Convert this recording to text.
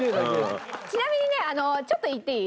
ちなみにねちょっと言っていい？